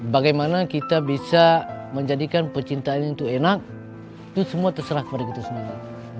bagaimana kita bisa menjadikan pecintaannya itu enak itu semua terserah kepada kita semua